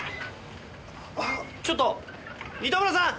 ちょっと糸村さん！